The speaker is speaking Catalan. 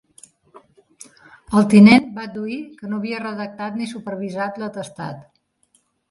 El tinent va adduir que no havia redactat ni supervisat l’atestat.